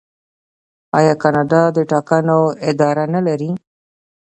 آیا کاناډا د ټاکنو اداره نلري؟